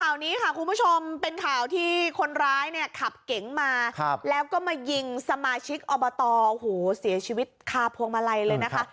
ข่าวนี้ค่ะคุณผู้ชมเป็นข่าวที่คนร้ายเนี่ยขับเก๋งมาแล้วก็มายิงสมาชิกอบตโอ้โหเสียชีวิตคาพวงมาลัยเลยนะคะ